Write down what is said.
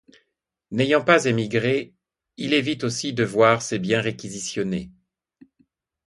N'ayant pas émigré, il évite aussi de voir ses biens réquisitionnés.